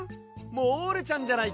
モールちゃんじゃないか。